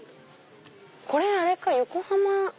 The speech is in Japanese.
これあれか横浜。